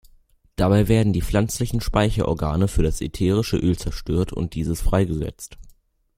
Dabei werden die pflanzlichen Speicherorgane für das ätherische Öl zerstört und dieses freigesetzt.